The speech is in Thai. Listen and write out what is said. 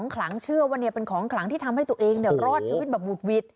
ขลังเชื่อว่าเป็นของขลังที่ทำให้ตัวเองรอดชีวิตแบบบุดหวิด